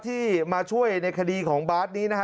ที่มาช่วยในคดีของบาร์ดนี้นะฮะ